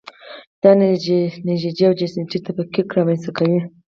دا نژادي او جنسیتي تفکیک رامنځته کوي.